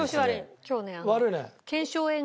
今日ね。